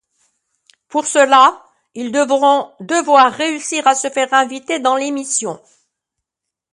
Pour cela, ils vont devoir réussir à se faire inviter dans l'émission.